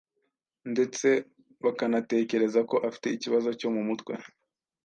ndetse bakanatekereza ko afite ikibazo cyo mu mutwe.